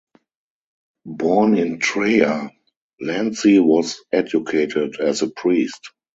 Born in Treia, Lanzi was educated as a priest.